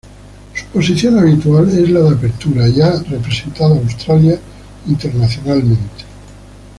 Su posición habitual es la de apertura y ha representado a Australia internacionalmente.